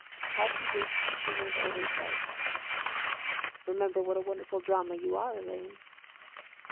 How he wished she weren't always right. "Remember what a wonderful drama you are, Elaine."